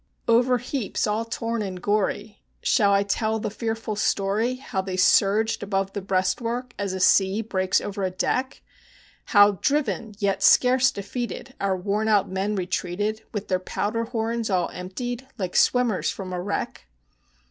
Over heaps all torn and gory shall I tell the fearful story, How they surged above the breastwork, as a sea breaks over a deck; How, driven, yet scarce defeated, our worn out men retreated, With their powder horns all emptied, like the swimmers from a wreck?